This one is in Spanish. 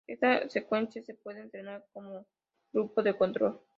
Esta secuencia se puede entender como grupo de control.